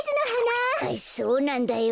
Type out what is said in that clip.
ああそうなんだよ。